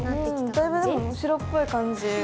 だいぶでも白っぽい感じ。